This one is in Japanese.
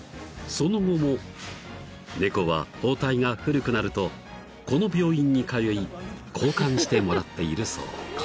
［その後も猫は包帯が古くなるとこの病院に通い交換してもらっているそう］